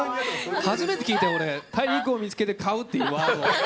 初めて聞いたよ、俺、大陸を見つけて買うっていうワード。